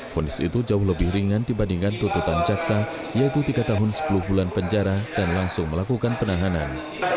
fonis itu jauh lebih ringan dibandingkan tututan jaksa yaitu tiga tahun sepuluh bulan penjara dan langsung melakukan penahanan